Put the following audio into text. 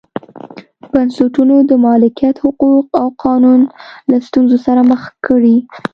بنسټونو د مالکیت حقوق او قانون له ستونزو سره مخ کړي.